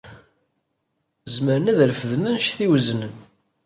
Zemren ad refden anect i weznen.